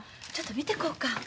ちょっと見てこうか。